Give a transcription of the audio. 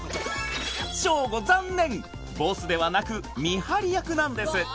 ショーゴ残念ボスではなく見張り役なんです